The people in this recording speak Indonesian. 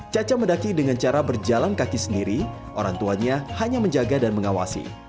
caca mendaki dengan cara berjalan kaki sendiri orang tuanya hanya menjaga dan mengawasi